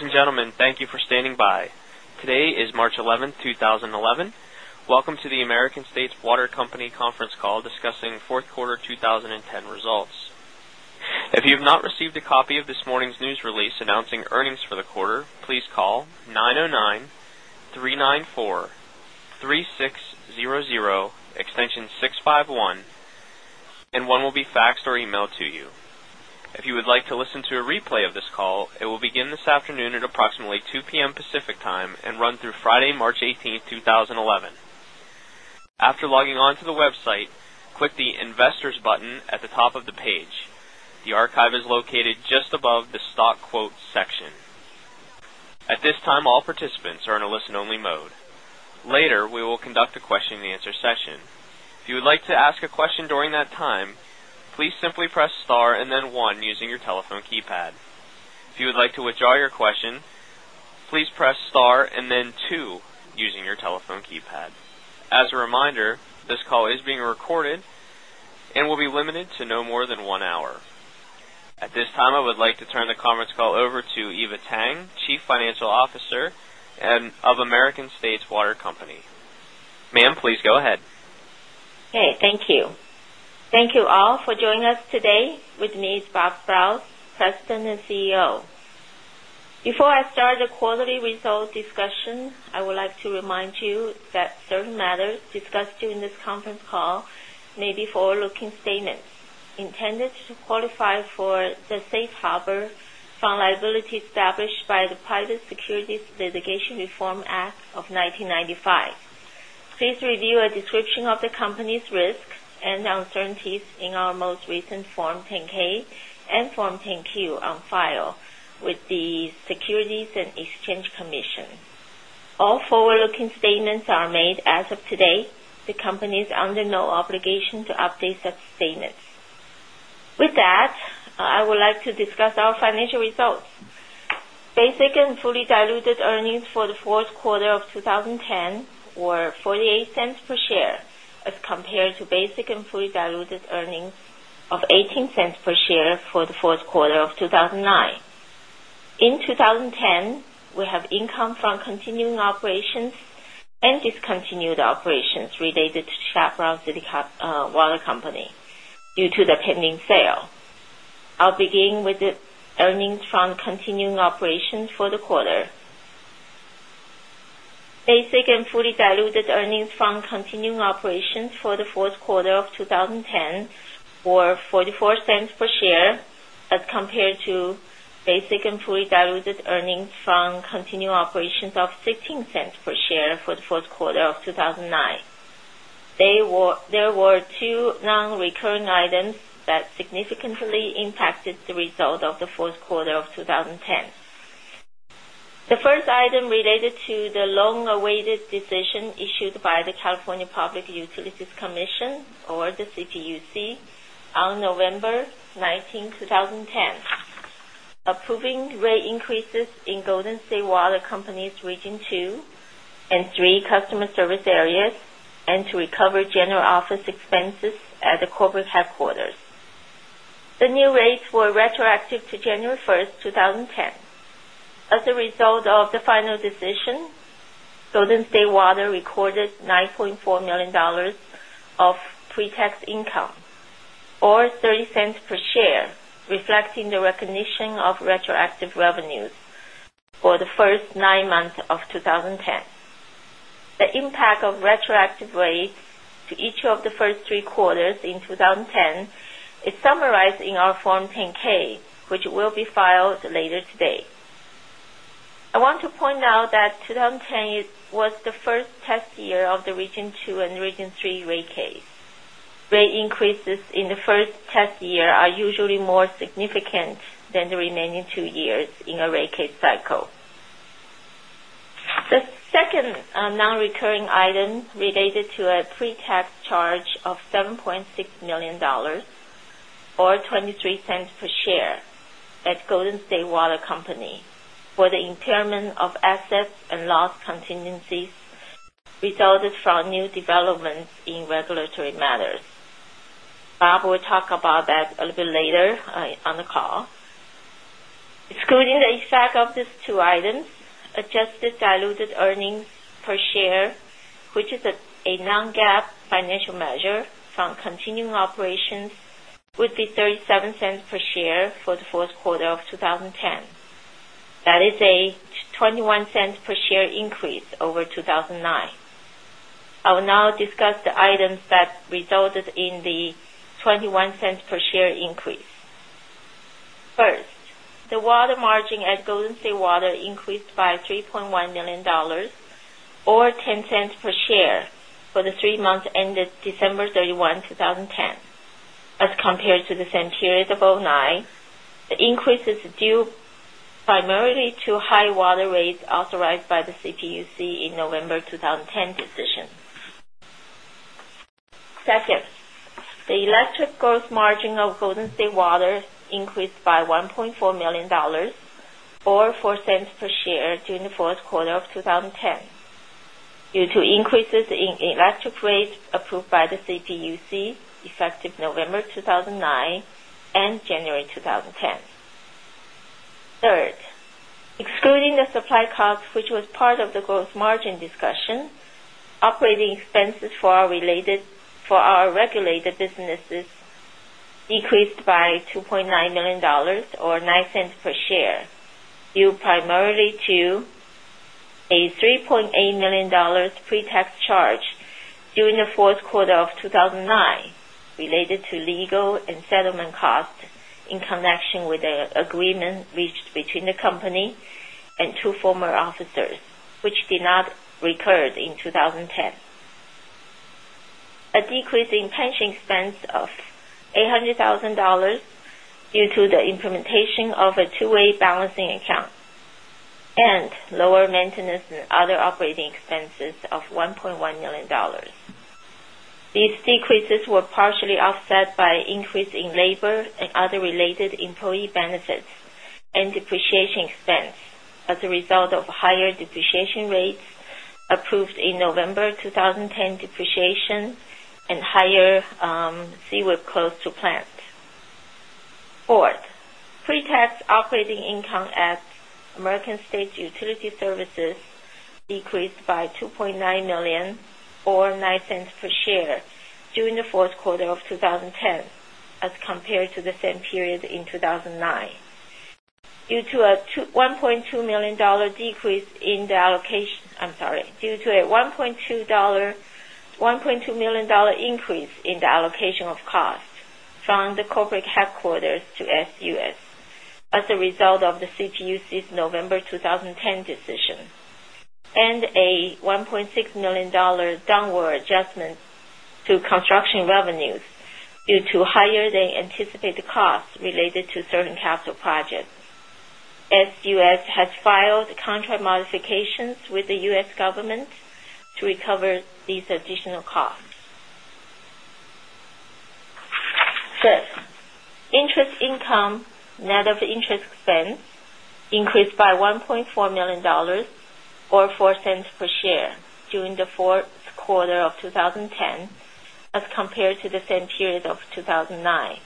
Ladies and gentlemen, thank you for standing by. Today is March 11, 2011. Welcome to the American States Water Company Conference Call discussing 4th Quarter 2010 Results. If you have not received a copy of this morning's news release announcing earnings for the quarter, please call 909-394-3600, extension 651 and one will be faxed or emailed to you. If you would like to listen to a replay of this call, it will begin this afternoon at approximately 2 pm pm As a reminder, this call is being recorded and will be limited to no more than 1 hour. At this time, I would like to turn the conference call over to Eva Tang, Chief Financial Officer of American States Water Company. Ma'am, please go ahead. Okay. Thank you. Thank you all for joining us today with me Bob Broughs, Preston's CEO. Before I start the quarterly results discussion, I would like to remind you that certain matters discussed during this conference call may be forward looking statements intended to qualify for the Safe Harbor and uncertainties in our most recent Form 10 ks and Form 10Q on file with the Securities and Exchange Commission. All forward looking statements are made as of today. The company is under no obligation to update such statements. With that, I would like to discuss our financial results. Basic and fully diluted earnings for the Q4 of 2010 were $0.48 per share as compared to basic and fully diluted earnings of $0.18 per share for the Q4 of 2019. In 2010, we have income from continuing operations and discontinued operations related to Chaparral City Water Company due to the pending sale. I'll begin with the earnings from continuing operations for the quarter. Basic and fully diluted earnings from continuing operations for the Q4 of 2010 were $0.44 per share as compared to basic and fully diluted earnings from continuing operations of $0.16 per share for the Q4 of 2019. There were 2 nonrecurring items that significantly impacted the result of the Q4 of 2010. The first item related to the long awaited decision issued by the California Public Utilities Commission or the CPUC on November 19, 2010, approving rate increases in Golden State Water Company's region 2 and 3 customer service areas and to recover general office expenses at the corporate headquarters. The new rates were retroactive to $9,400,000 of pre tax income or 20 I want to point out that 20 10 was the first test year of the Region II and Region 3 rate case. Rate increases in the first test year are usually more significant than the remaining 2 years in a case cycle. The second nonrecurring item related to a pretax charge of $7,600,000 or $0.23 per share at Golden State Water Company for the impairment of assets and loss contingencies resulted from new developments in regulatory matters. Bob will talk about that a little bit later on the call. Excluding the effect of these two items, adjusted diluted earnings per share, which is a non GAAP financial measure from continuing operations, would be $0.37 per share for the Q4 of 2010. That is a $0.21 per share increase over 2,009. I will now discuss the items that resulted in the $0.21 per share increase. First, the water margin at Golden State Water increased by $3,100,000 or $0.10 per share for the 3 months ended December 31, 2010, as compared to the same period of 2009. The increase is due primarily to high water rates authorized by the CPUC in November 2010 decision. 2nd, the electric gross margin of Golden State Water increased by $1,400,000 or $0.04 per share during the Q4 of 2010 due to increases in electric rates approved by the CPUC effective November 2009 January 2010. 3rd, excluding the supply costs, which was part of the gross margin discussion, operating expenses for our related for our regulated businesses decreased by 2.9 million dollars or 0.09 per share, due primarily to a 3.8 million dollars pre tax charge during the Q4 of 2019 related to legal and settlement costs in connection with the agreement reached between the company and 2 former officers, which did not recur in 2010. A decrease in pension expense of $800,000 due to the implementation of a two way balancing account and lower maintenance and other operating expenses of $1,100,000 These decreases were partially offset by increase in labor other related employee benefits and depreciation expense as a result of higher depreciation rates approved in November 20 10 depreciation and higher seawhip close to plant. 4th, pretax operating income at American States Utility Services decreased by $2,900,000 or $0.09 per share during the Q4 of 2010 as compared to the same period in 2,009. Due to a 1.2 $1,200,000 decrease in the allocation in the allocation of costs from the corporate headquarters to SUS as a result of the CTUC's November 2010 decision and a $1,600,000 downward adjustment to construction revenues due to higher than anticipated costs related to certain capital projects. S U. S. Has filed contract modifications with the U. S. Government to recover these additional costs. $1,400,000 or $0.04 per share during the Q4 of 2010 as compared to the same period of 2,009,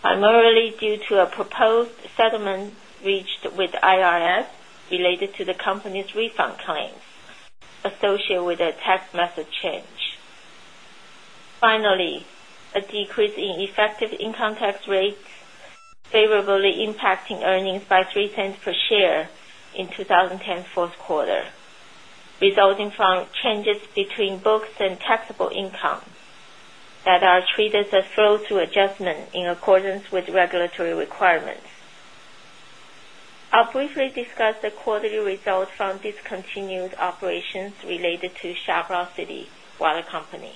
primarily due to a proposed settlement reached with IRS related to the company's refund claims associated with the tax method change. Finally, a decrease in effective income tax rate favorably impacting earnings by $0.03 per share in 20 10 Q4, resulting from changes between books and taxable income that are treated as a flow through adjustment in accordance with regulatory requirements. I briefly discuss the quarterly results from discontinued operations related to Shabra City Water Company.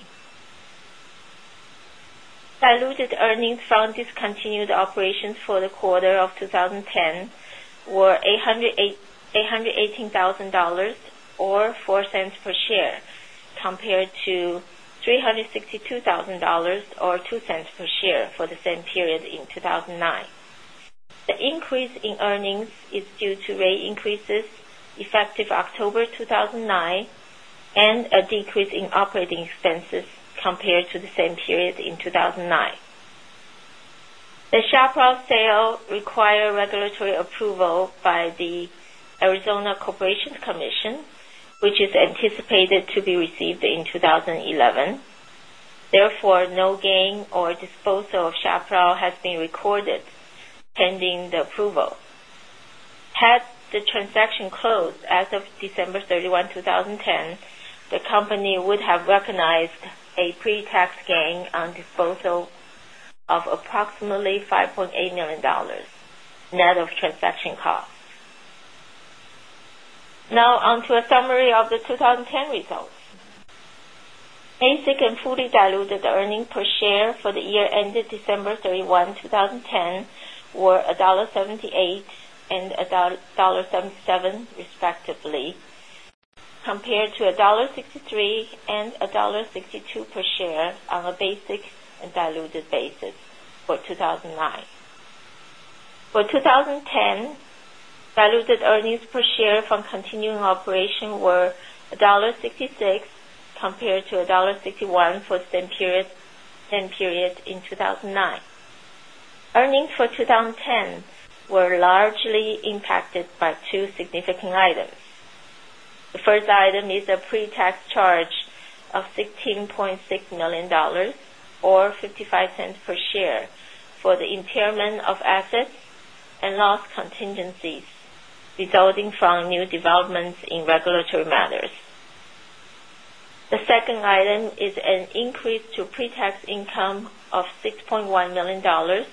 Diluted Water Company. Diluted earnings from discontinued operations for the quarter of 2010 were $818,000 or $0.04 per share compared to $362,000 or $0.02 per share for the same period in 2,009. The increase in earnings is due to rate increases effective October 2009 and a decrease in operating expenses compared to the same period in 2,009. The Chaparral sale require regulatory approval by the Arizona Corporation Commission, which is anticipated to be received in 2011. Therefore, no gain or disposal of Xiaoprao has been recorded pending the approval. Had the transaction closed as of December 31, 2010, the company would have recognized a pretax gain on disposal of approximately $5,800,000 net of transaction costs. Now on to a summary of the 2010 results. Basic and fully diluted earnings per share for the year ended December 31, 2010 were $1.78 and $1.77 respectively, compared to $1.63 and $1.62 per share on a basic and diluted basis for 2,009. For 2010, diluted earnings per share from continuing operation were $1.66 compared to $1.61 for the same period in 2,009. Earnings for 20 10 were largely impacted by 2 significant items. The first item is a pre tax charge of $16,600,000 or $0.55 per share for the impairment of assets and loss contingencies, resulting from new developments in regulatory matters. The second item is an increase to pretax income of $6,100,000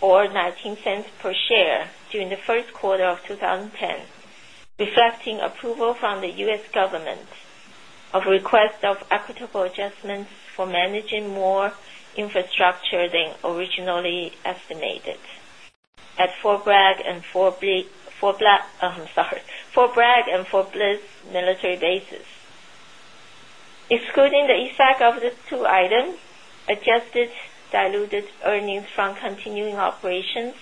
or $0.19 per share during the Q1 of 2010, reflecting approval from the U. S. Government of request of equitable adjustments for managing more infrastructure than originally estimated at 4 Bragg and 4 Blitt military bases. Excluding the effect of these two items, adjusted diluted earnings from continuing operations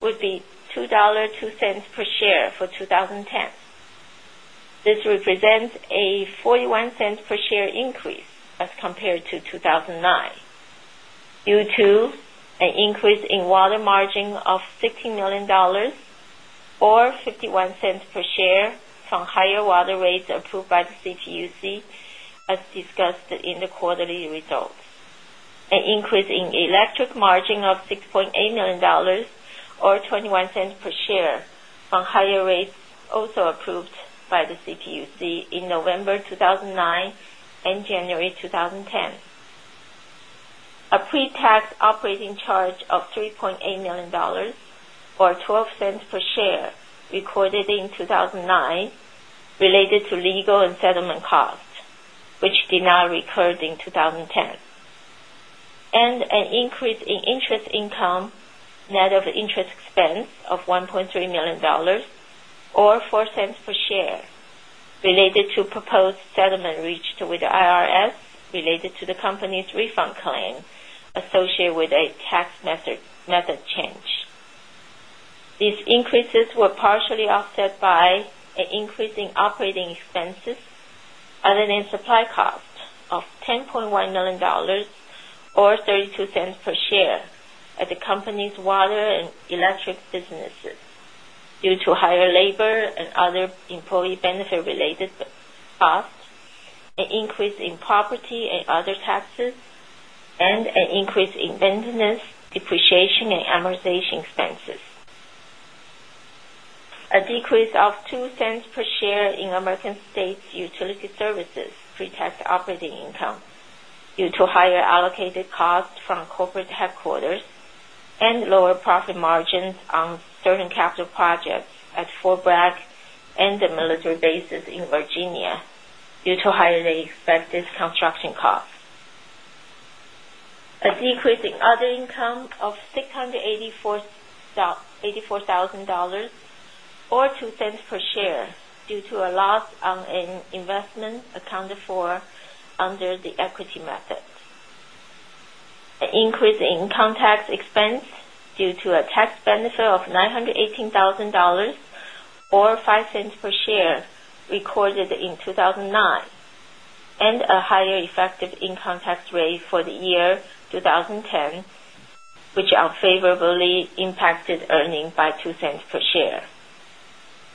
would be $2.02 per share for 2010. This represents a 0.41 per share increase as compared to 2,009. Q2, an increase in water margin of $60,000,000 or $0.51 per share from higher water rates approved by the CPUC as discussed in the quarterly results, an increase in electric margin of $6,800,000 or 0 pretax operating charge of $3,800,000 or $0.12 per share recorded in 2,009 related to legal and settlement costs, which did not recurred in 2010. And an increase in interest income net of interest expense of $1,300,000 or 0 point proposed settlement reached with IRS related to the company's refund claim associated with a tax method change. These increases were partially offset by an increase in operating expenses other than supply costs of $10,100,000 or $0.32 per share at the company's water and property and other taxes and an increase in indebtedness, depreciation and amortization expenses. A decrease 0.02 dollars per share in American States Utility Services pretax operating income due to higher allocated costs from corporate headquarters and lower profit margins on certain capital projects at Fort Bragg and the military bases in Virginia due to highly expected construction costs. A decrease in other income of 6 $84,000 or 0 point 0.02 dollars per share due to a loss on an investment accounted for under the equity method. The increase in income tax expense due to a a higher effective income tax rate for the year 2010, which out favorably impacted earnings by $0.02 per share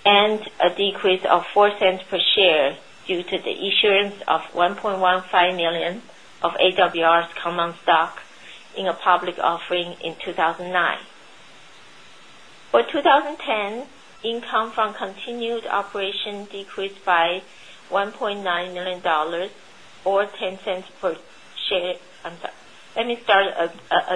and a decrease of $0.04 per share due to the issuance of $1,150,000 of AWR's common stock in a public offering in 2,009. For 20 10, income from continued operation decreased by $1,900,000 or $0.10 per share. Let me start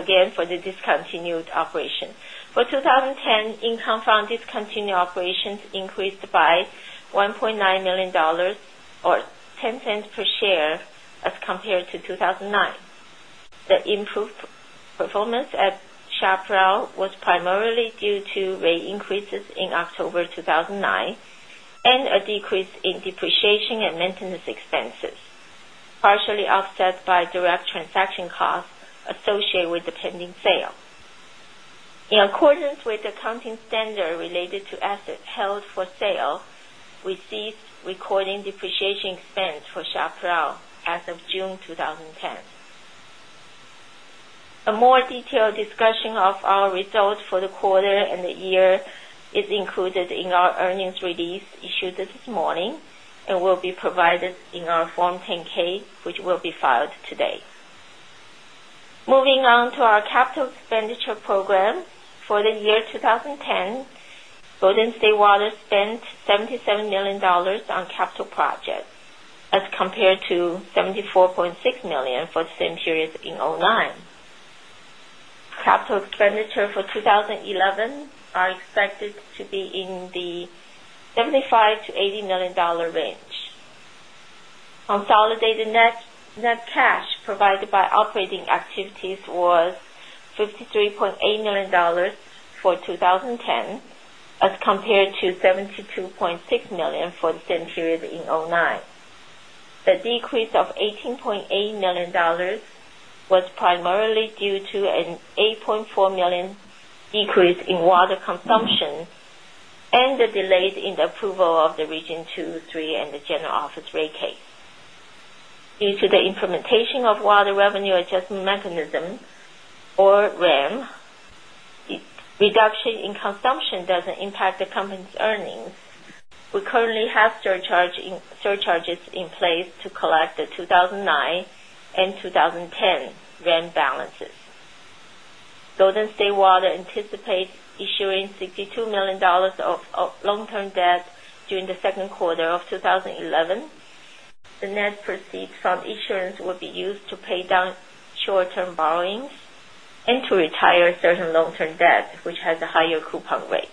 again for the discontinued operation. For 2010, income from discontinued operations increased by $1,900,000 or $0.10 per share as compared to 2,009. The improved performance at Chaparral was primarily due to rate increases in October 2009 and a decrease in depreciation and maintenance expenses, partially offset by direct transaction costs associated with the pending sale. In accordance with the accounting standard related to assets held for sale, we ceased recording depreciation expense for Xia Pro as of June 2010. A more detailed discussion of our results for the quarter the year is included in our earnings release issued this morning and will be provided in our Form 10 ks, which will be filed today. Moving on to our capital expenditure program. For the year 20 74.6 million for the same period in 'nine. Capital expenditure for 2011 are expected to be in the $75,000,000 to $80,000,000 range. Consolidated net cash provided by operating activities was $53,800,000 for 20.10 as compared to 72 Region 2, 3 and the general office rate case. Due to the implementation of water revenue adjustment mechanism or REM, reduction in consumption doesn't impact the company's earnings. We currently have surcharge charges in place to collect the 2,009 and 20.10 rand balances. Golden State Water anticipates issuing $62,000,000 of long term debt during the Q2 of 2011. The net proceeds insurance will be used to pay down short term borrowings and to retire certain long term debt, which has a higher coupon rate.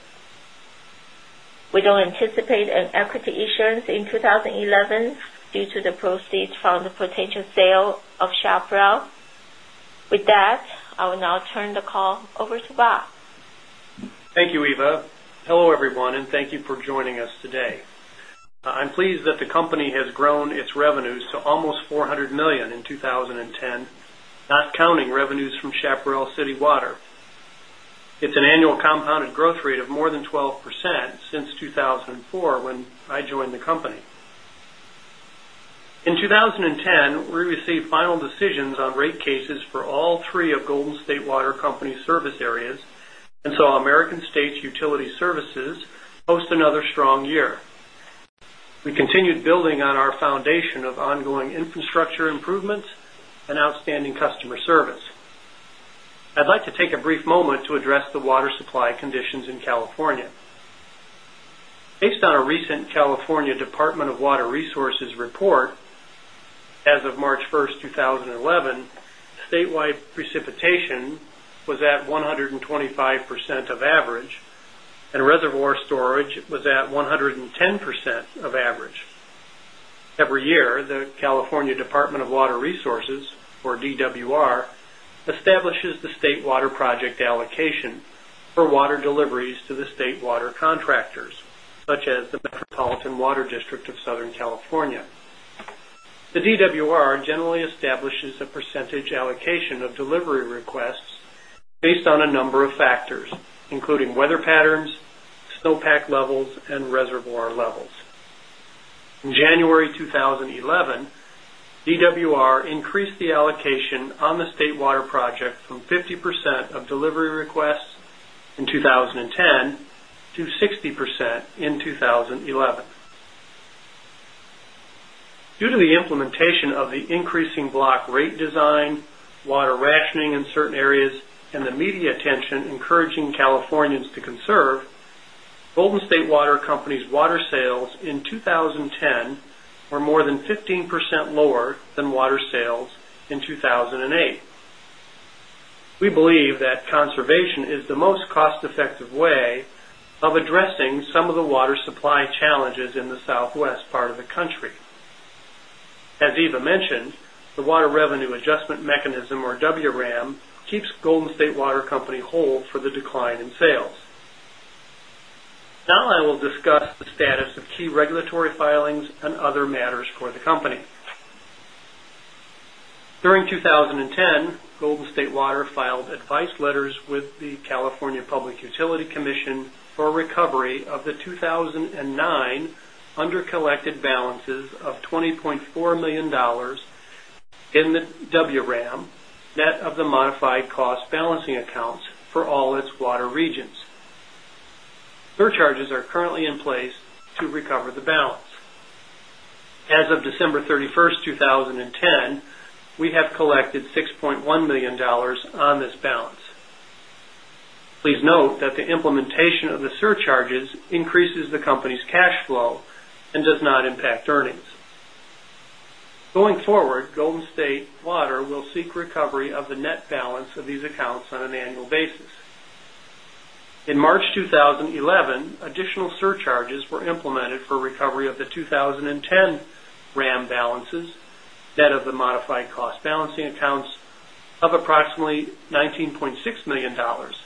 We don't anticipate an equity issuance in 2011 due to the proceeds from the potential sale of Chaparral. With that, I will now turn the call over to Bob. Thank you, Eva. Hello, everyone, and thank you for joining us today. I'm pleased that the company has grown its revenues to almost 400 $1,000,000 in 20.10, not counting revenues from Chaparral City Water. It's an annual compounded growth rate of more than 12% since 2004 when I joined the company. In 2010, we received final decisions on rate cases for all three of Golden State Water Company's service areas and saw American States Utility Services post another strong year. We continued building on our foundation of ongoing infrastructure improvements and outstanding customer service. I'd like to take a brief moment to address the water supply conditions in California. Based on a recent California Department of Water Resources report, as of March 1, at 110% of average. Every year, the California Department of Water Resources or DWR establishes the state water project allocation for water deliveries to the state water contractors, such as the Metropolitan Water District of Southern California. The DWR generally establishes a percentage allocation of delivery requests based on a number of factors, including weather patterns, snowpack levels and reservoir levels. In January 2011, DWR increased the allocation on the State Water project from 50% of delivery requests in 2010 to 60% in 2011. Due to the implementation of the increasing rate design, water rationing in certain areas and the media attention encouraging Californians to conserve, Golden State Water Company's water sales in 2010 were more than 15% lower than water sales in 2,008. We believe that conservation is the most cost effective way of addressing some of the water supply challenges in the Southwest part of the country. As Eva mentioned, the water revenue adjustment mechanism or WRAM keeps Golden State Water Company whole for the decline in sales. Now I will discuss the status of key regulatory filings and other matters for the company. During 2010, Golden State Water filed advice letters with the California Public Utility Commission for recovery of the 2,009 under collected balances of 20,400,000 in WRAM net of the modified cost balancing accounts for all its water regions. Surch charges are currently in place to recover the balance. As of December 31, 2010, we have collected $6,100,000 on this balance. Please note that the implementation of the surcharges increases the company's cash flow and does not impact earnings. Going forward, Golden State Water will seek recovery of the net balance of these accounts on an annual basis. In March 2011, additional surcharges for recovery of the 2010 RAM balances, net of the modified cost balancing accounts of approximately 19,600,000 dollars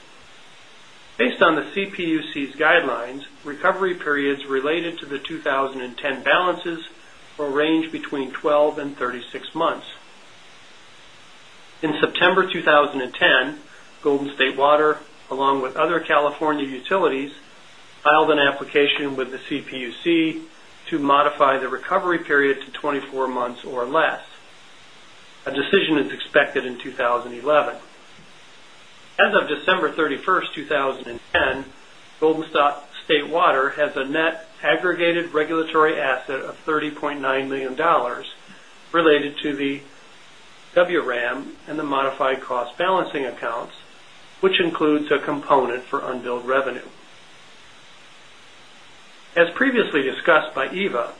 Based on the CPUC's guidelines, recovery periods related to the 20 10 balances will range between 12 36 months. In September 2010, Golden 20 less. A decision is expected in 2011. As of December 31, 20 10, Golden State Water has a net aggregated regulatory asset of $30,900,000 related to the WRAM and the modified cost balancing accounts, which includes a component for unbilled revenue. As previously discussed by EVA,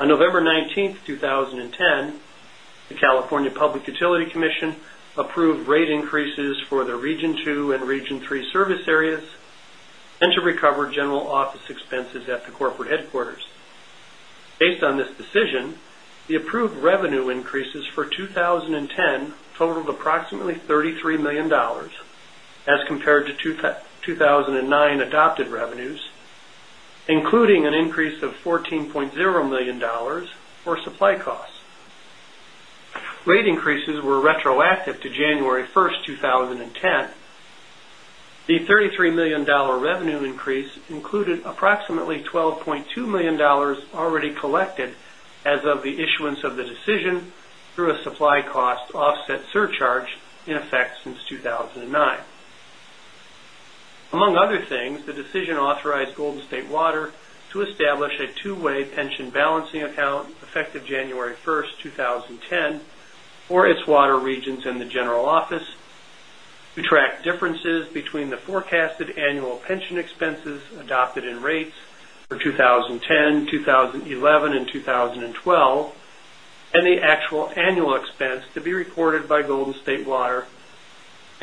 on November 19, 2010, the California Public Utility Commission approved rate increases for the Region 2 and Region 3 service areas and to recover general office expenses at the corporate headquarters. Based on this decision, the approved revenue increases for 2010 totaled approximately $33,000,000 as compared to 2,009 adopted revenues, including an increase of 14 $33,000,000 revenue increase included approximately $12,200,000 already collected as of the issuance of the decision through a supply cost offset surcharge in effect since 2,009. Among other things, the decision authorized Golden State Water to establish a two way pension balancing account effective January 1, 2010 for its water regions in the general office to track differences between the forecasted annual pension expenses adopted in rates for 20 10, the $1,000,000 in 20.10, dollars 6,600,000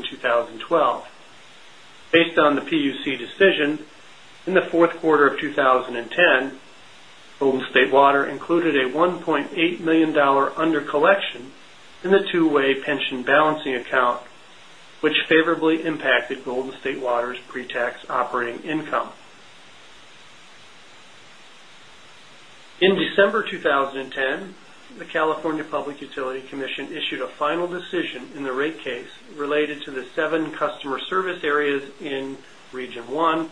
in 20 Based on the PUC decision, in the Q4 of 2010, Golden State Water included a 1 $800,000 under collection in the two way pension balancing account, which favorably impacted Golden State Water's pretax operating income. In December 2010, the California Public Utility Commission issued a final decision in the rate case related to the 7 customer service areas in Region 1,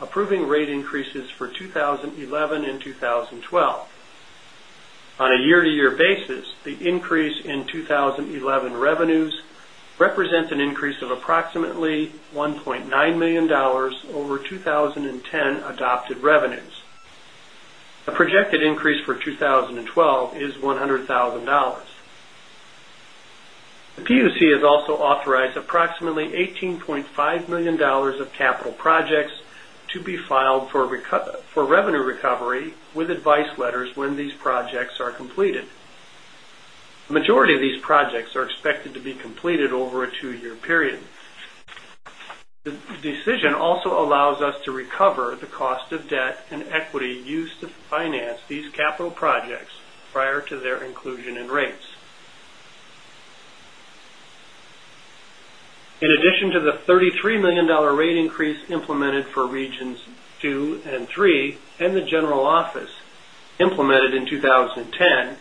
approving rate increases for 20112012. On a year to year basis, the increase in 2011 revenues represents an increase of approximately $1,900,000 over 20.10 adopted revenues. The The PUC has also authorized approximately $18,500,000 of capital projects to be filed for revenue recovery with advice letters when these projects are completed. Majority of these projects are expected to be completed over a 2 year period. The decision also allows us to recover the cost of debt and equity used to finance these capital projects prior to their inclusion in rates. In addition to the $33,000,000 rate increase implemented for Regions 2 and 3 and the general office implemented in 20 $1,600,000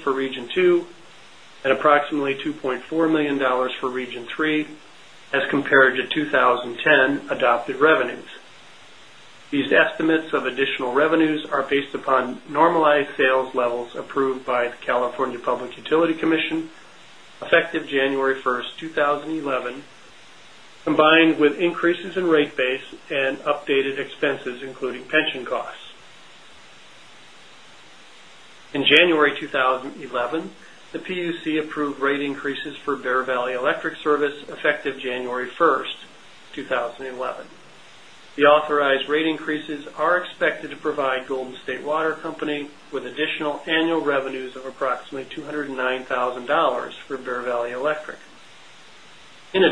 for Region 2 and approximately $2,400,000 for Region 3 as compared to 20 10 adopted revenues. These estimates of additional revenues are based upon normalized sales levels approved by the California Public Utility Commission effective January 1, 2011, combined with increases in rate base and updated expenses including pension costs. In January 2011, the PUC approved rate increases for Bear Valley Electric Service effective January 1, 2011. The authorized rate increases are expected to provide Golden State Water Company with additional annual revenues of approximately $209,000 for Bear Valley Electric. In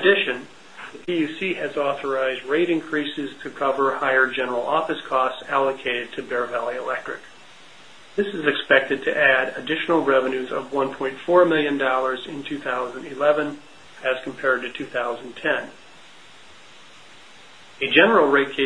20 separate from the general rate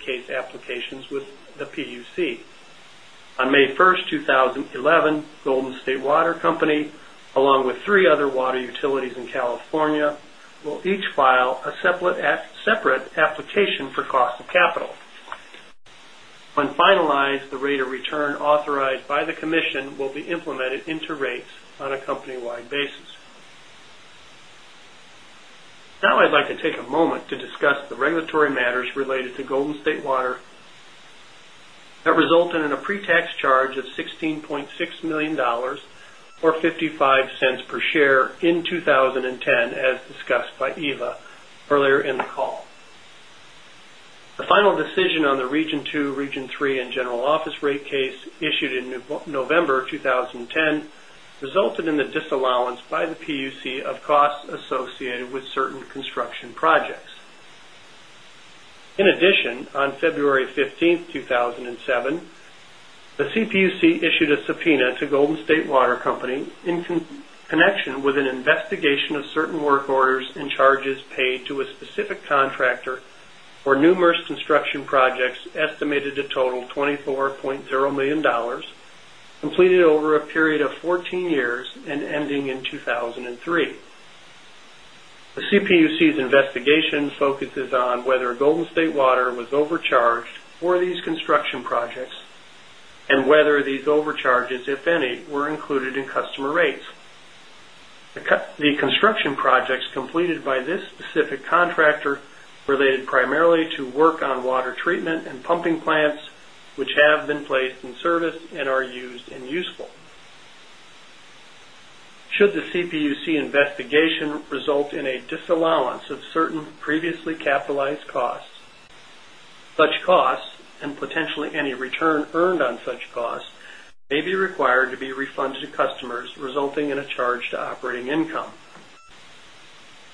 case applications with the PUC. On May 1, 2011, Golden State Water Company, along cost of capital. When finalized, the rate of return authorized by the commission will be implemented into rates on resulted in a pre resulted in a pre tax charge of $16,600,000 or 10 in projects. In addition, on February 15, 2007, the CPUC issued a subpoena to Golden State Water Company in connection with an investigation of certain work orders and charges paid to a specific contractor for numerous construction projects estimated to total $24,000,000 completed over a period of 14 years and ending in 2,003. The CPUC's investigation focuses on whether Golden State Water was overcharged for these construction projects and whether these overcharges, if any, were included in customer rates. The construction projects completed by this specific contractor related primarily work on water treatment and pumping plants, which have been placed in service and are used and useful. Should the CPUC investigation result in a disallowance of certain previously capitalized costs. Such costs and potentially any return earned on such costs may be required to be refunded to customers resulting in a charge to operating income.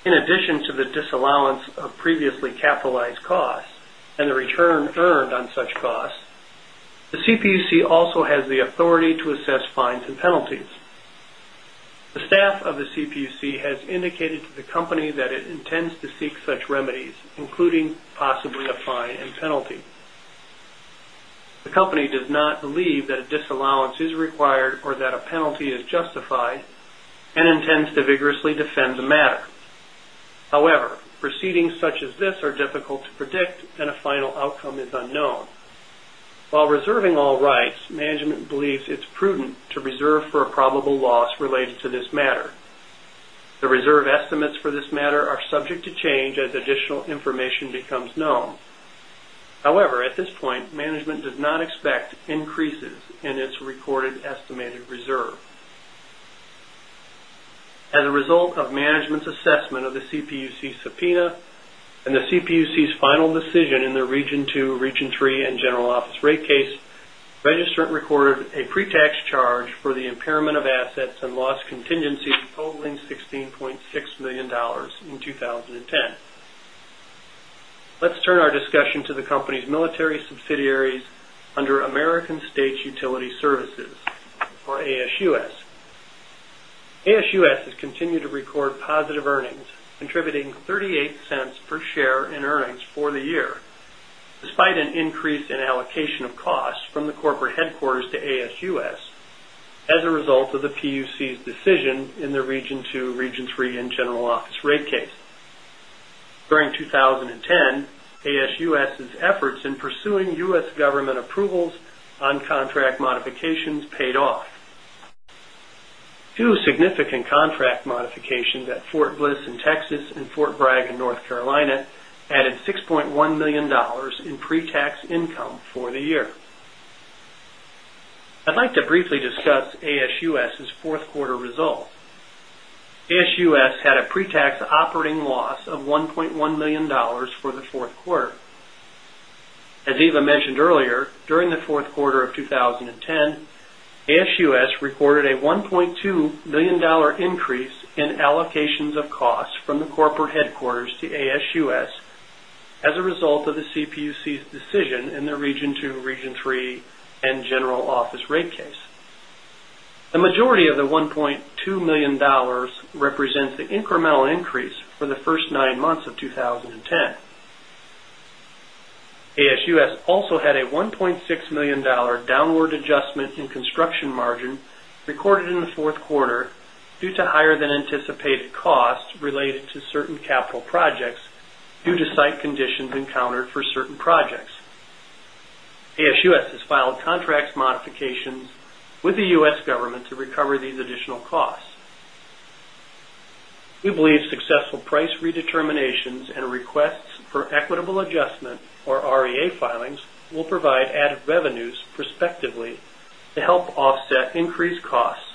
In addition to the disallowance of previously capitalized costs and the return earned on such costs, the CPUC also has the authority to assess fines and penalties. The staff of the CPUC has indicated to The staff of the CPUC has indicated to the company that it intends to seek such remedies, including possibly a fine and penalty. The company does not believe that disallowance is required or that a penalty is justified and intends to vigorously defend the matter. However, proceedings such as this are difficult to predict and a a final outcome is unknown. While reserving all rights, management believes it's prudent to reserve for a probable loss related to this matter. The reserve estimates for this matter are subject to change as additional information becomes known. However, at this point, management does not expect increases in its recorded estimated reserve. As a result of management's of management's assessment of the CPUC subpoena and the CPUC's final decision in the Region 2, Region 3 and general office rate case, registered recorded a pre tax charge for the impairment of assets and loss contingencies totaling $16,600,000 in 20 10. Let's turn our discussion to the company's military subsidiaries under American States Utility Services or ASUS. ASUS has continued to record positive earnings, contributing the year, despite an increase in allocation of costs from the corporate headquarters to ASUS as a result of the PUC's decision in the Region 2, Region 3 and general office rate case. During 2010, ASUS's efforts in pursuing Bragg in North Carolina added $6,100,000 in Bragg in North Carolina added $6,100,000 in pre tax income for the year. I'd like to briefly discuss ASUS' 4th quarter results. ASUS had a pre tax operating loss of $1,100,000 for the Q4. As Eva mentioned earlier, during the Q4 of 2010, ASUS recorded a 1 point $2,000,000 increase in allocations of costs from the corporate headquarters to ASUS as a result of the CPUC's decision in the Region 2, II, 2 a certain capital projects due to site conditions encountered for certain projects. ASUS has filed contracts modifications with the U. S. Government to recover these additional costs. We believe successful price redeterminations and requests for equitable adjustment or REA filings will provide added revenues respectively to help offset increased costs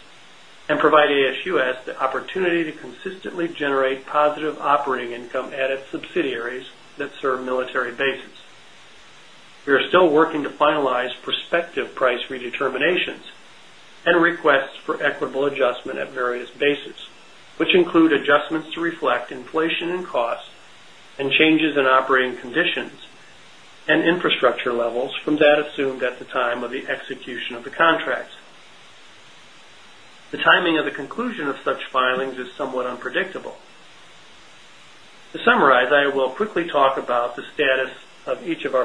and provide ASUS the opportunity to consistently generate positive operating income at its subsidiaries that serve military bases. We are still working to finalize prospective price redeterminations and request for equitable adjustment at various basis, which include adjustments to reflect inflation and costs and changes in operating conditions and infrastructure levels from that assumed at the time of the execution of the contracts. The timing of the conclusion of such filings is somewhat unpredictable. To summarize, I will quickly talk about the status of each of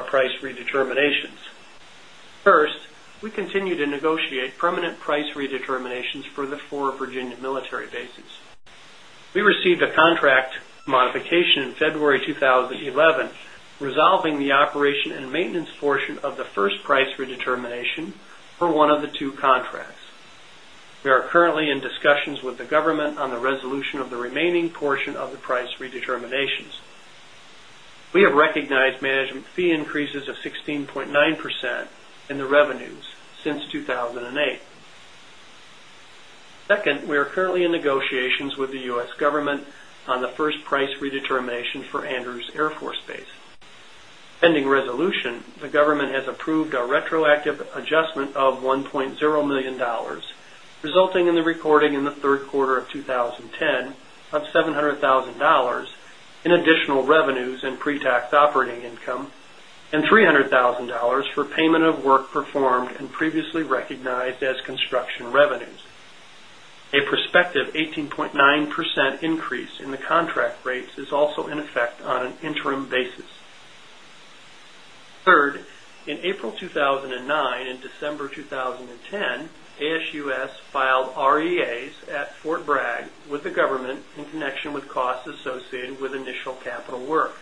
a contract modification in February 2011, resolving the operation and maintenance portion of the first price 2,008. 2nd, we are currently in negotiations with the U. S. Government on the first price redetermination for Andrews Air Force Base. Pending resolution, the government has approved a retroactive adjustment of 1,000,000 dollars resulting in the recording in the Q3 of 20 10 of $700,000 in additional revenues and pre tax operating income and $300,000 for payment of work performed and previously recognized as construction revenues. A prospective 18.9% increase in the contract rates is also in effect on an interim basis. 3rd, in April 2009 December 2010, ASUS filed REAs at Fort Bragg with the government in connection with costs associated with initial capital work.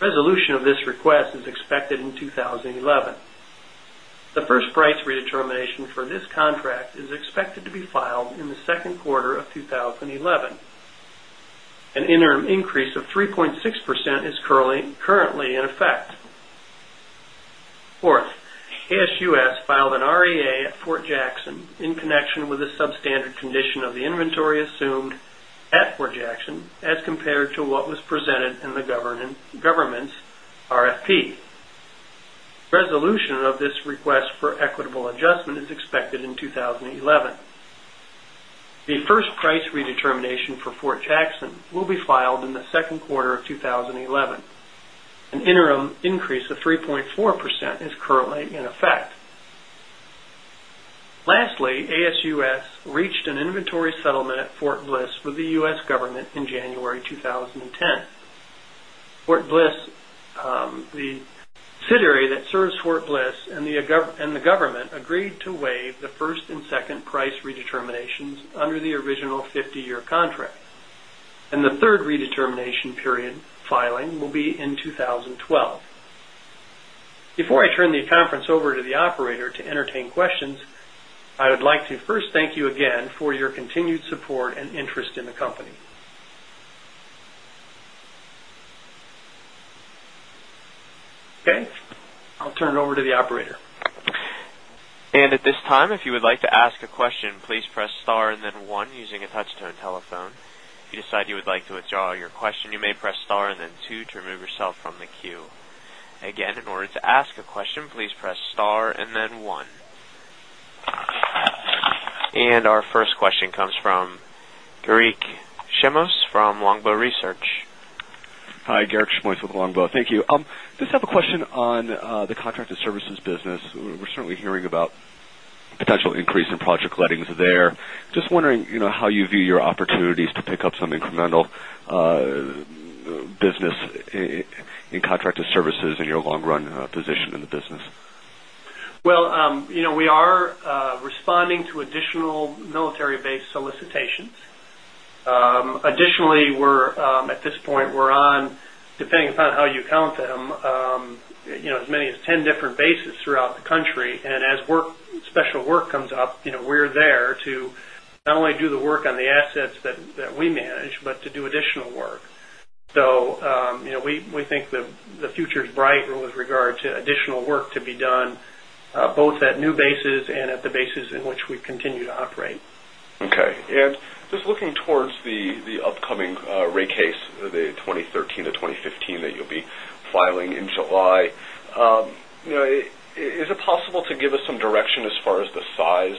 Resolution of this request is expected in 2011. The 1st price redetermination for this contract is expected to be filed in the Q2 of 20 11. An interim increase of 3.6% is currently in effect. 4th, ASUS filed an REA at Fort Jackson in connection with the substandard condition of the inventory assumed as compared to what was presented in the government's RFP. Resolution of this request for equitable adjustment is expected in 20 11. An interim increase of 3.4% is currently in effect. Lastly, ASUS reached an inventory settlement at Fort Bliss with the U. S. Government in January 2010. Fort Bliss, the subsidiary that serves Fort Bliss and the government agreed to waive the first and second price redeterminations under the original 50 year contract. And the 3rd redetermination period filing will be in 2012. Before I turn the conference over to the operator to entertain questions, I would like to first thank you again for your continued support and interest in the company. Okay, I'll turn it over to the operator. And our first question comes from Garik Shmois from Longbow Research. Just have a question on the contracted services business. We're certainly hearing about potential increase in project lettings there. Just wondering how you view your opportunities to pick up some incremental business in contracted services in your long run position in the business? Well, we are responding to additional military based solicitations. Additionally, we're at this point, we're on depending upon how you count them, as many as 10 different bases throughout the country. And as work special work comes up, we're there to not only do the work on the assets that we manage, but to do additional work. So, we think the future is bright with regard to additional work to be done both at new bases and at the bases in which we continue to operate. Okay. And just looking towards the upcoming rate case, the 2013 to 2015 that you'll be filing in July, Is it possible to give us some direction as far as the size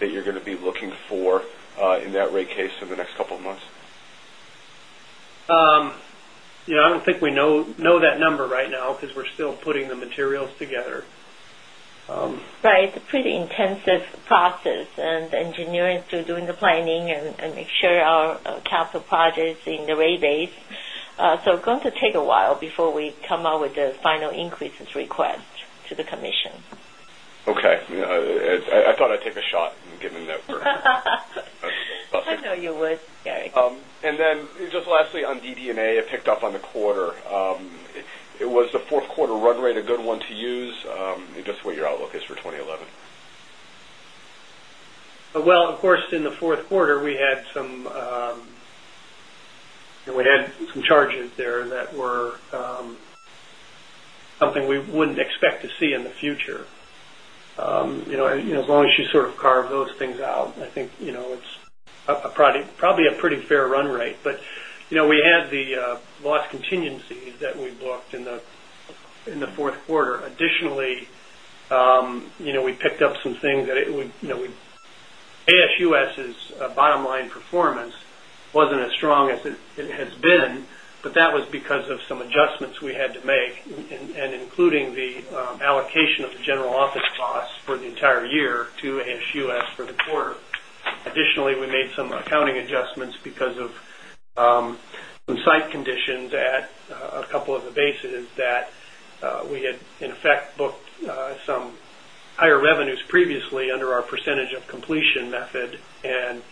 that you're going to be looking for in that rate case in the next couple of months? I don't think we know that number right now because we're still putting the materials together. Right. It's a pretty intensive process and engineering to doing the planning and make sure our capital projects in the rate base. So going to take a while before we come out with the final increases request to the commission. Okay. I thought I'd take a shot and give them a note for a couple of months. I know you would, Gary. And then just lastly on DD and A, it picked up on the quarter. It was the 4th quarter run rate a good one to use, just what your outlook for 2011? Well, of course, in the Q4, we had some charges there that were something we wouldn't expect to see in the future. As long as you sort of carve those things out, I think it's probably a pretty fair run rate. But we had the loss contingencies that we booked in the Q4. Additionally, we picked been, but that was because of some adjustments we had to make and including the allocation of the general office year to ASUS for the quarter. Additionally, we made some accounting adjustments because of conditions at a couple of the bases that we had in effect booked some higher revenues previously under our percentage of completion method and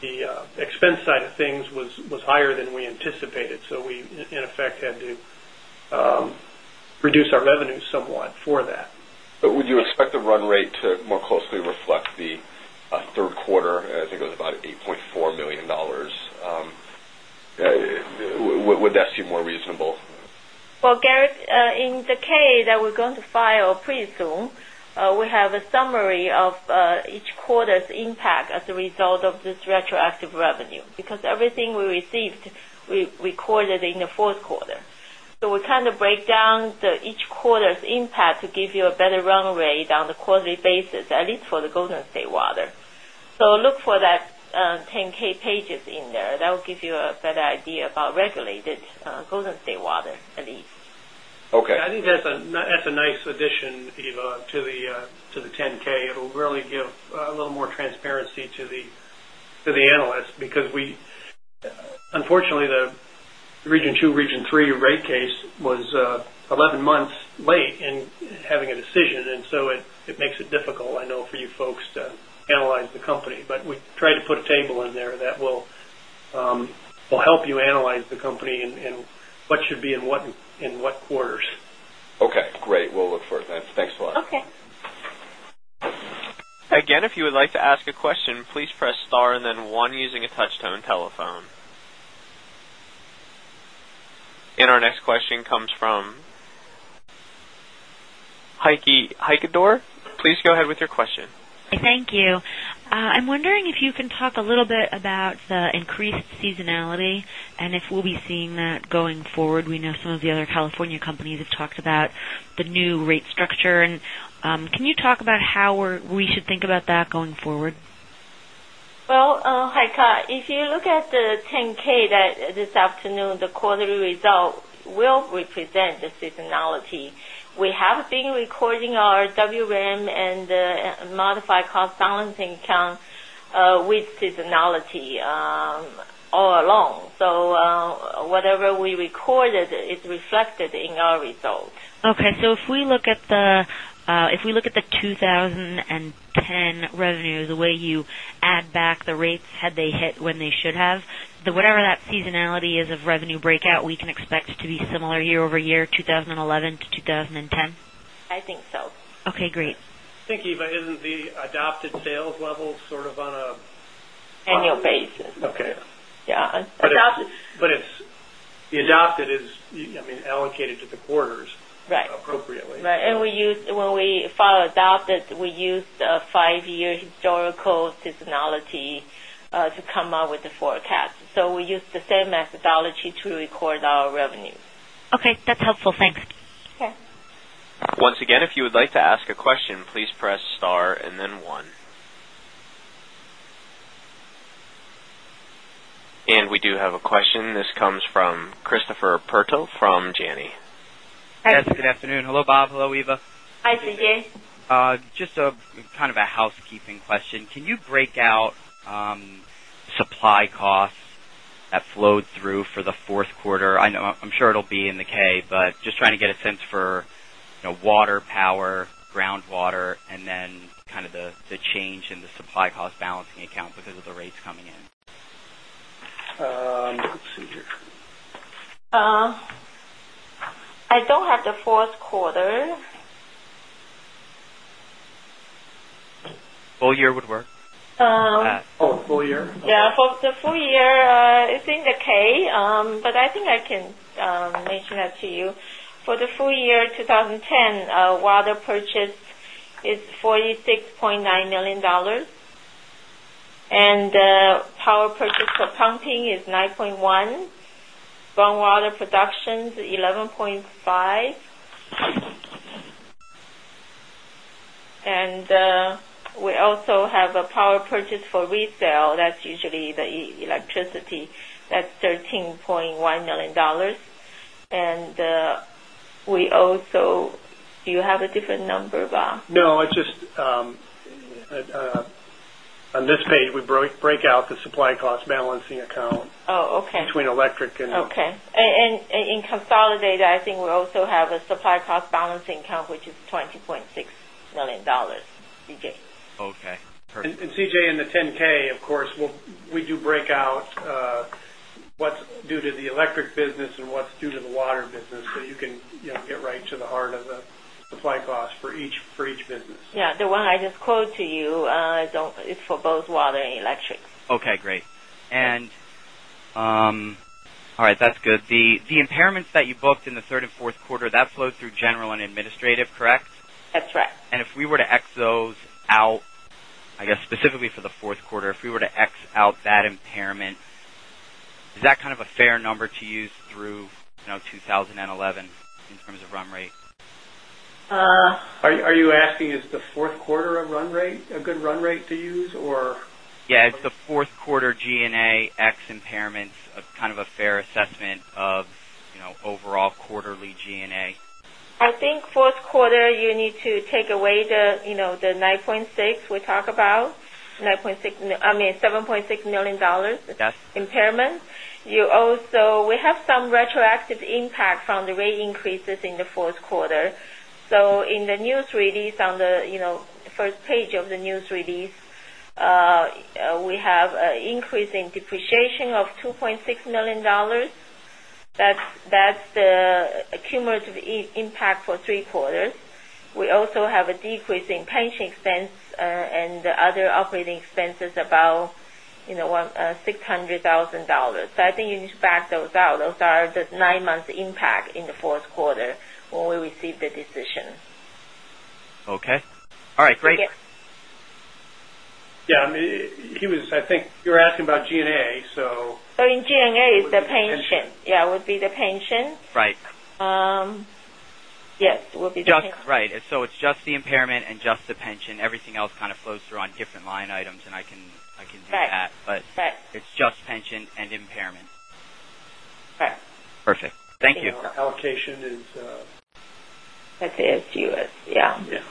the expense side of things was higher than we anticipated. So we, in effect, had to reduce our revenue somewhat for that. But would you expect the run rate to more closely reflect the Q3, I think it was about $8,400,000 Would that seem more reasonable? Well, in the K that we're going to file pretty soon, we have a summary of each quarter's impact as a result of this retroactive revenue because everything we received we recorded in the 4th quarter. So we kind of break down each quarter's impact to give you a better run rate on the quarterly basis, at least for the Golden State Water. So look for that 10 ks pages in there. That will give you a better idea about regulated Golden State Water at least. Okay. I think that's a nice addition, Eva, to the 10 ks. It will really give a little more transparency to the analysts because we unfortunately, the Region 2, Region 3 rate case was 11 months late in having a decision. And so it makes it difficult, I know, for you folks to analyze the company. But we tried to put table in there that will help you analyze the company and what should be in what quarters. Okay, great. We'll look for it. Thanks a lot. Okay. And our next question comes from Heikki Heikki. Please go ahead with your question. I'm wondering if you can talk a little bit about the increased seasonality and if we'll be seeing that going forward. We know some of the California companies have talked about the new rate structure. And can you talk about how we should think about that going seasonality. We have been recording our WRAM and seasonality. We have been recording our WRAM and modified cost balancing account with seasonality all alone. So whatever we recorded is reflected in our results. Okay. So if we look at the 2010 revenue, the way you add back the rates had they hit when they should have, whatever that seasonality is of revenue breakout, we can expect to be similar year over year 2011 to 2010? I think so. Okay, great. I think, Eva, isn't the adopted sales level sort of on a Annual basis. Okay. Yes. But it's the adopted is, I mean, allocated to the quarters appropriately. Right. And we use when we file adopted, we use 5 year historical seasonality to come up with the forecast. So we use the same methodology to record our revenue. And we do have a question. This comes from Christopher Perto from Janney. Hi. Good afternoon. Hello, Bob. Hello, Eva. Hi, Sergey. Just kind of a housekeeping question. Can you break out supply costs that flowed through for the 4th quarter? I know, K, but just trying to get a sense for water, power, groundwater and then kind of the change in the supply cost balancing account because of the rates coming in? I don't have the 4th quarter. Full year would work? Full year. Yes. For the full year, it's in the K, but I think I can mention that to you. For the full year 2010, water purchase is $46,900,000 and power purchase for pumping is $9,100,000, strong water production is 11.5 and we also have a power purchase for resale that's usually the electricity that's $13,100,000 and we also do you have a different number, Bob? No, I just on this page we break out the supply cost balancing account between electric and Okay. And in consolidated, I think we also have a supply cost balancing account, which is $20,600,000 CJ. Okay. Perfect. And CJ, in the 10 ks of course we do break out what's due to the electric business and what's due to the water business. So you can get right to the heart of the supply costs for each business. Yes, the one I just quote to you is for both water and electric. Okay, great. And all right, that's good. The impairments that you booked in the 3rd Q4 that flowed through general and administrative, correct? That's right. And if we were to ex those out, I guess, specifically for the Q4, if we were to ex out that impairment, is that kind of a fair number to use through 2011 in terms of run rate? Are you asking is the 4th quarter a run rate a good run rate to use or? Yes, it's the 4th quarter G and A ex impairments kind of a fair assessment of overall quarterly G and A. I think Q4 you need to take away the $9,600,000 we talked about, dollars 9,600,000 I mean $7,600,000 impairment. You also we have some retroactive impact from the rate increases in the Q4. So in the news release on the first page of the news release, we have increasing depreciation of 2,600,000 that's the cumulative impact for 3 quarters. We also have a in pension expense and other operating expenses about $600,000 So I think you those out. Those are the 9 months impact in the Q4 when we received the decision. Okay. All right, great. Yes, I mean, he was I think you're asking about G and A, so So in G and A is the pension. Yes, it would be the pension. Right. Yes, it will be the pension. Right. So it's just the impairment and just the pension. Everything else kind of flows through on different line items and I can do that. But it's just pension and impairment. Okay. Perfect. Thank you. Allocation is I'd say it's U. S, yes. Yes.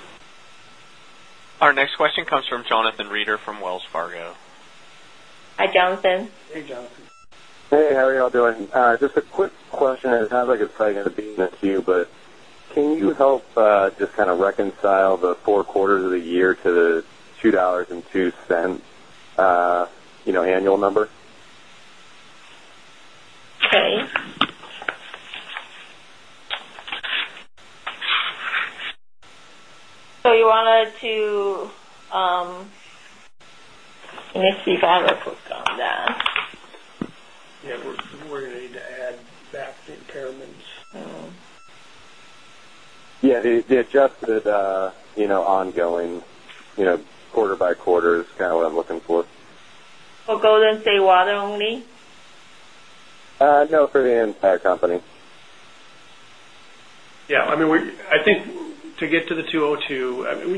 Our next question comes from Jonathan Reeder from Wells Fargo. Hi, Jonathan. Hey, Jonathan. Hey, how are you all doing? Just a quick question. It sounds like it's probably going to be in the queue, but can you help just reconcile the 4 quarters of the year to the $2.02 annual number? Okay. So you wanted the impairments. Yes, the adjusted ongoing quarter by quarter is kind of what I'm looking for. For Golden State water only? No, for the entire company. Yes, I mean, I think to get to the 202,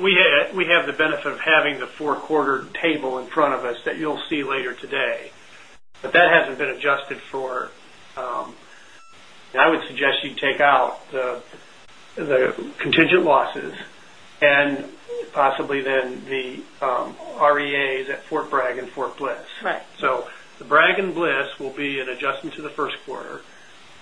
we have the benefit of having the 4 quarter table in front of us that you'll see later today, but that hasn't been adjusted for, I would suggest you take out the contingent losses and possibly then the REAs at Fort Bragg and Fort Bliss. Right. So the Bragg and Bliss will be an adjustment to the Q1.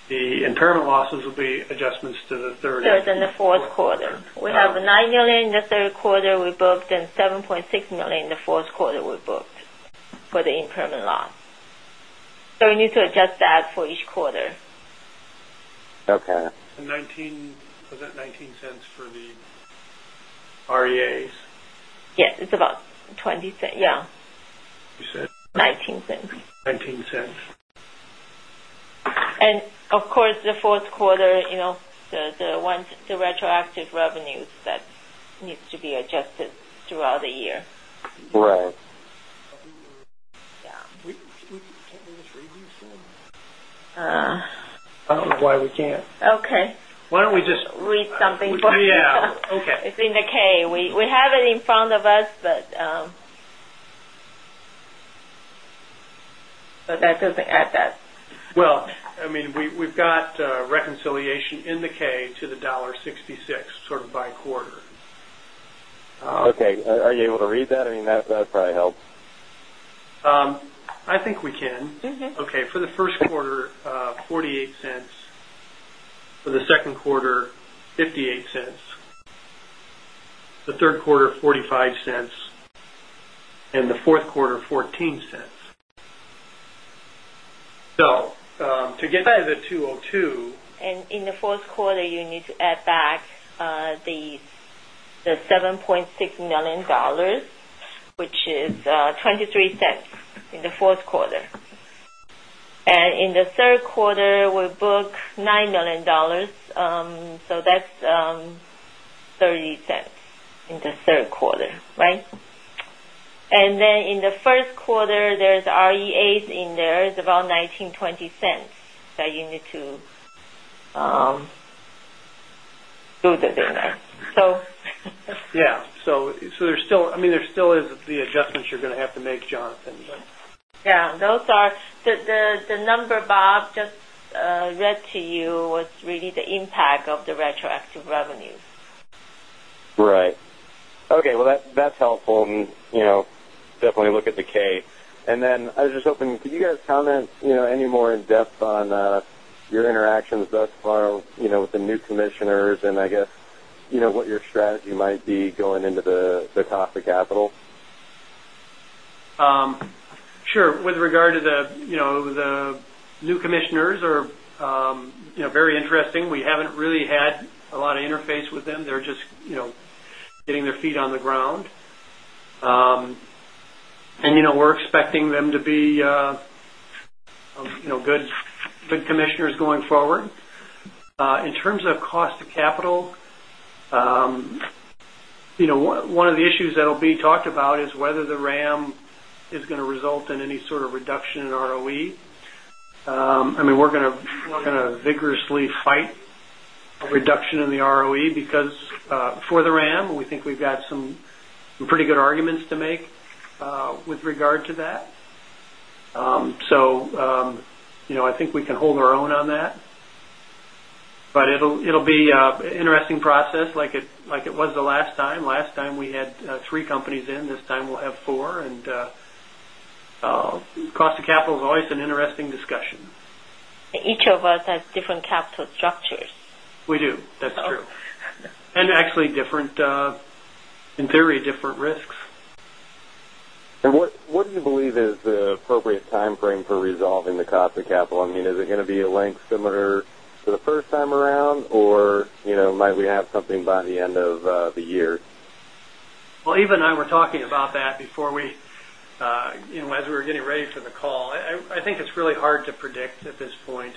The impairment losses will be adjustments to the 3rd quarter. 3rd and the 4th quarter. We have 9,000,000 in the 3rd quarter we booked and 7,600,000 in the 4th quarter we booked for the impairment loss. So we need to adjust that for each quarter. Okay. So $0.19 for the REAs? Yes, it's about $0.20, yes. You said? $0.19 And of course, the Q4, the retroactive revenues that needs to be adjusted throughout the year. Right. Why we can't. Okay. Why don't we just Read something for you. Yes. Okay. It's in the K. We have it in front of us, but that doesn't add that. Well, I mean, we've got Okay. I think we can. Okay. For the Q1, dollars 0.48 for the Q2, dollars 0.58 the 3rd quarter, dollars 0.45 and the 4th quarter, dollars 0.14 So to get by the 202. And in the 4th quarter, you need to add back the $7,600,000 which is $0.23 in the 4th quarter. And in the 3rd quarter, we booked 9,000,000 dollars so that's And then in the Q1, there's REAs in there, it's about $0.19, dollars 0.20 that you need to do the business. Yes. So there's still I mean there's still is the adjustments you're going to have to make Jonathan. Yes, those are the number Bob just read to you was really the impact of the retroactive active revenues. Right. Okay. Well, that's helpful. And definitely look at the K. And then I was just hoping, could you guys comment any more in-depth on your interactions thus far with the new Sure. With regard to the new Sure. With regard to the new commissioners are very interesting. We haven't really had a lot of interface with them. They're just getting their feet on the ground. And we're expecting them to be good commissioners going forward. In terms of cost of capital, one of the issues that will be talked about is whether the RAM is going to result in any sort of reduction in ROE. Mean, we're going to vigorously fight a reduction in the ROE because for the RAM, we think we've got some pretty good arguments to make with regard to that. So I think we can hold our own on that. But it will be interesting process like it was the last time. Last time we had 3 companies in, this time we'll have 4 and cost of capital is always an interesting discussion. Each of us has different capital structures. Do. That's true. And actually different in theory different risks. And what do you believe is the appropriate time frame for resolving the cost of capital? I mean is it going to be a length similar to the first time around or might we have something by the end of the year? Well, even I were talking about that before we as we were getting ready for the call, I think it's really hard to predict at this point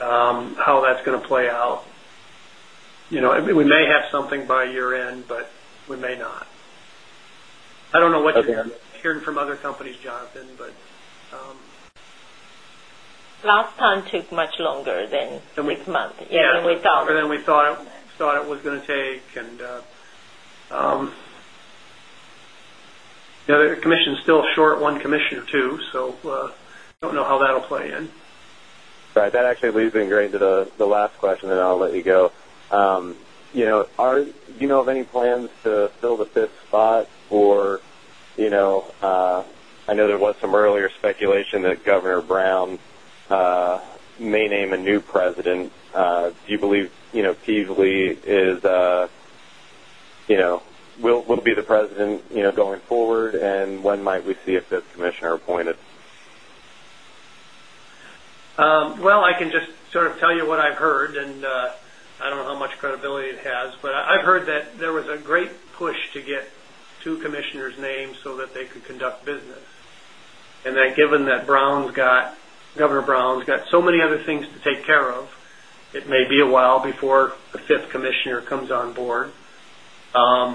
how that's going to play out. We may have something by year end, but we may not. I don't know what you're hearing from other companies, Jonathan, but Last than we thought. Yes, than we thought it was going to take and still short 1 commission or 2. So I don't know how that will play in. Right. That actually leads me into the last question and I'll let you go. Do you know of any plans to fill the 5th spot or I know there was some earlier speculation that Governor Brown may name a new President. Do you believe Peasley will be the President going forward and when might we see if this commissioner appointed? Well, I can just sort of tell you what I've heard and I don't know how much credibility it has, but I've heard that there was a great push to get 2 commissioners' names so that they could conduct business. And then given that Brown's got Governor Brown's got so many other things to take care of, it may be a while before the 5th Commissioner comes on board. I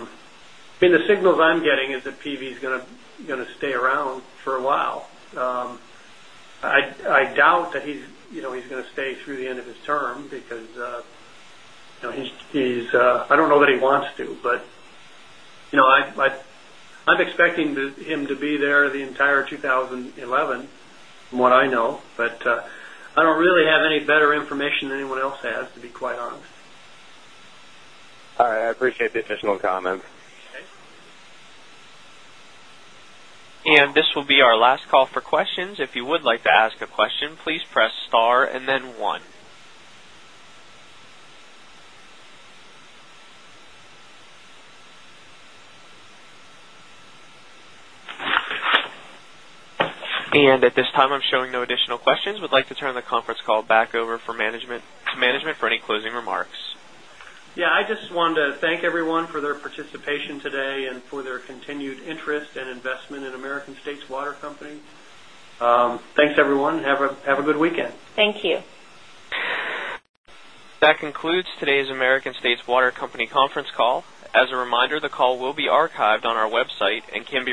mean the signals I'm getting is that PV is going to stay around for a while. I doubt that he's going to stay through the end of his term, because he's I don't know that he wants to, but I'm expecting him to be there the entire 2011 from what I know, but I don't really have any better information than anyone else has to be quite honest. All right. I appreciate the additional comments. And this will be our last call for questions. And at this time, I'm showing no additional questions. I would like to turn the conference call back over to management for any closing remarks. Yes, I just want to thank everyone for their participation today and for their continued interest and investment in American States Water Company. Thanks everyone. Have a good weekend. Thank you. That concludes today's American States Water Company conference call. As a reminder, the call will be archived on our website and can